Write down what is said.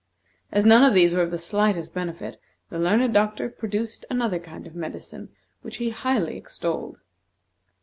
As none of these were of the slightest benefit, the learned doctor produced another kind of medicine which he highly extolled.